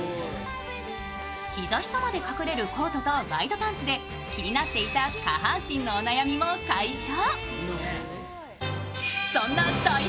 膝下まで隠れるコートとワイドパンツで気になっていた下半身のお悩みも解消。